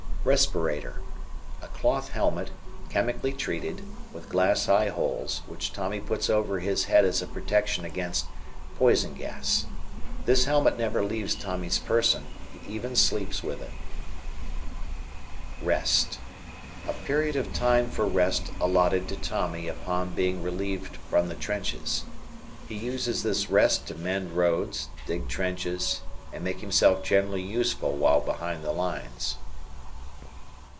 Respirator. A cloth helmet, chemically treated, with glass eye holes, which Tommy puts over his head as a protection against, poison gas. This helmet never leaves Tommy's person, he even sleeps with it. Rest. A period of time for rest allotted to Tommy upon being relieved from the trenches. He uses this "rest" to mend roads, dig trenches, and make himself generally useful while behind the lines.